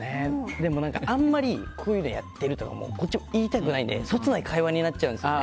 でも、あんまりこういうのやってるとかこっちも言いたくないのでそつない会話になっちゃうんですよね。